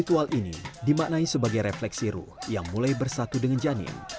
ritual ini dimaknai sebagai refleksi ruh yang mulai bersatu dengan janin